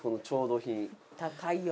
高いよ。